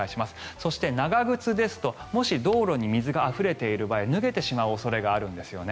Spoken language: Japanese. そして、長靴ですともし道路に水があふれている場合脱げてしまう恐れがあるんですよね。